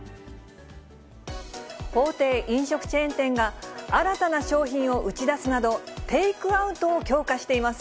大手飲食チェーン店が、新たな商品を打ち出すなど、テイクアウトを強化しています。